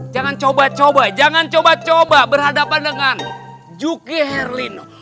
jangan coba coba jangan coba coba berhadapan dengan juki herlino